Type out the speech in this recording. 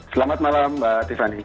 selamat malam mbak tiffany